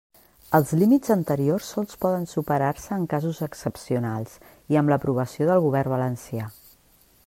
Els límits anteriors sols poden superar-se en caos excepcionals, i amb l'aprovació del Govern Valencià.